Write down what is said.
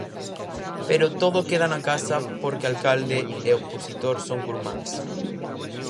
Pero todo queda na casa porque alcalde e opositor son curmáns.